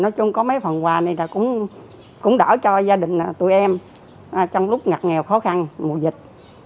nói chung có mấy phần quà này là cũng đỡ cho gia đình tụi em trong lúc ngặt nghèo khó khăn mùa dịch